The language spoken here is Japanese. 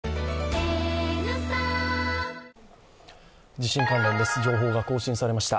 地震関連です、情報が更新されました。